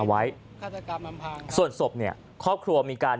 ถือเหมือนพี่ฟาย